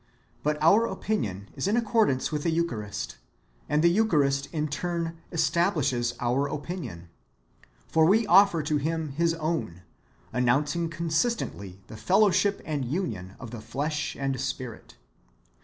^ But our opinion is in accordance with the Eucharist, and the Eucharist in turn establishes our opinion. For we offer to Him His own, announcing consis tently the fellowship and union of the flesh and Spirit.